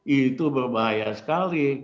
itu berbahaya sekali